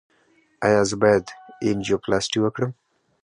ایا زه باید انجیوپلاسټي وکړم؟